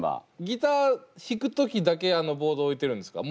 ギター弾く時だけあのボード置いてるんですか？